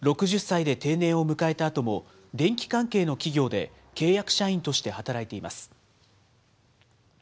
６０歳で定年を迎えたあとも、電機関係の企業で契約社員として働いています。